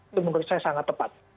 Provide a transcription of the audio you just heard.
itu menurut saya sangat tepat